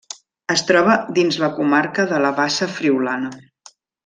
Es troba dins la comarca de la Bassa Friülana.